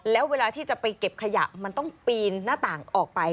แล้วเวลาที่จะไปเก็บขยะมันต้องปีนหน้าต่างออกไป